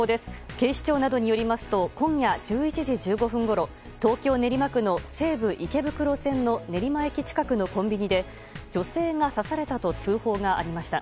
警視庁などによりますと今夜１１時１５分ごろ東京・練馬区の西武池袋線の練馬駅近くのコンビニで女性が刺されたと通報がありました。